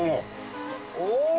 お！